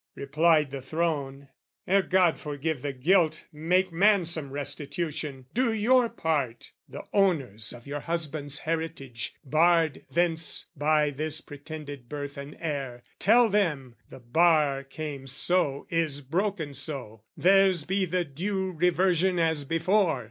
Replied the throne "Ere God forgive the guilt, "Make man some restitution! Do your part! "The owners of your husband's heritage, "Barred thence by this pretended birth and heir, "Tell them, the bar came so, is broken so, "Theirs be the due reversion as before!